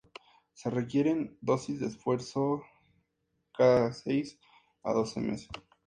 Se requieren dosis de refuerzo cada seis a doce meses.